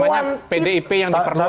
banyak pdip yang diperluas